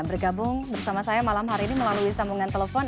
bergabung bersama saya malam hari ini melalui sambungan telepon